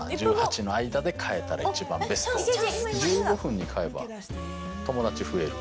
１５分に買えば友達増える。